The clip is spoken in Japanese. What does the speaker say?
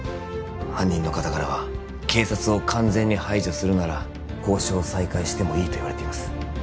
犯人の方からは「警察を完全に排除するなら」「交渉を再開してもいい」と言われています